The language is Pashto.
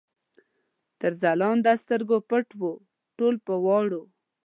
تر ځلانده سترګو پټ وو، ټول په واوره